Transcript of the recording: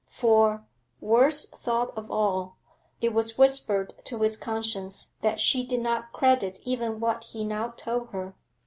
For worst thought of all it was whispered to his conscience that she did not credit even what he now told her.